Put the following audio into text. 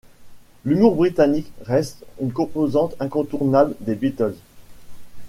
L’humour britannique reste une composante incontournable des Beatles.